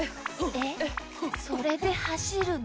えっそれではしるの。